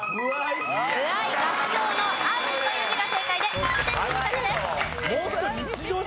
歩合合唱の「合」という字が正解で１点積み立てです。